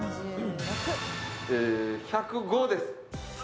えー１０５です